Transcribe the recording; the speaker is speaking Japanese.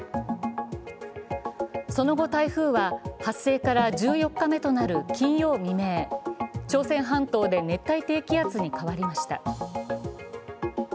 その後、台風は発生から１４日目となる金曜未明、朝鮮半島で熱帯低気圧に変わりました。